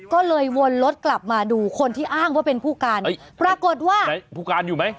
ก็เลยวนรถกลับมาดูคนที่อ้างว่าเป็นผู้การปรากฏว่าไหนผู้การอยู่ไหม